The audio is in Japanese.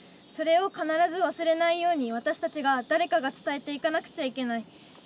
それを必ず忘れないように私たちが誰かが伝えていかなくちゃいけない。